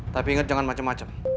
tapi inget jangan macem macem